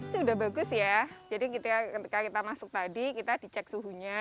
sudah bagus ya jadi ketika kita masuk tadi kita dicek suhunya